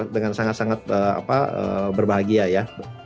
dengan sangat sangat berbahagia ya